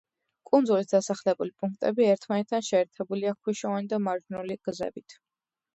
კუნძულის დასახლებული პუნქტები ერთმანეთთან შეერთებულია ქვიშოვანი და მარჯნული გზებით.